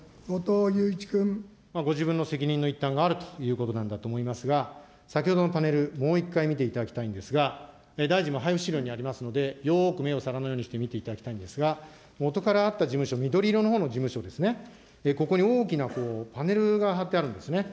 ご自分の責任の一端があるということなんだと思いますが、先ほどのパネル、もう一回見ていただきたいんですが、大臣も配布資料にありますので、よーく目を皿のようにして見ていただきたいんですが、元からあった事務所、緑色のほうの事務所ですね、ここに大きなパネルが貼ってあるんですね。